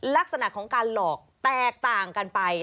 ลักษณะของการหลอกแตกต่างกันไป